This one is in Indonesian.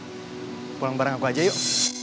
al pulang bareng aku aja yuk